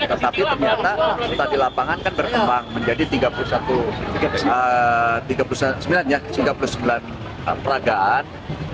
tetapi ternyata di lapangan kan berkembang menjadi tiga puluh sembilan peragaan